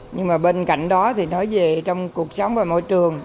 nhưng mà bên cạnh đó thì nói về trong cuộc sống và môi trường